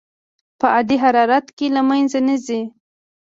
په عادي حرارت کې له منځه نه ځي.